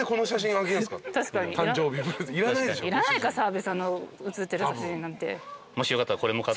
いらないか澤部さんの写ってる写真なんて。